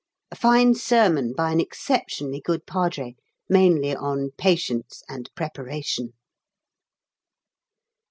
A fine sermon by an exceptionally good Padre, mainly on Patience and Preparation!